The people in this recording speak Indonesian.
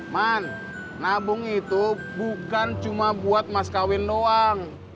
man nabung itu bukan cuma buat mas kawin doang